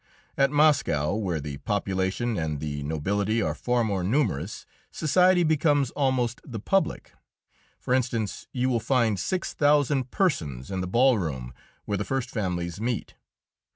At Moscow, where the population and the nobility are far more numerous, society becomes almost the public. For instance, you will find six thousand persons in the ballroom where the first families meet.